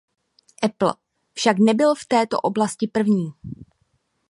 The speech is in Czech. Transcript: Apple však nebyl v této oblasti první.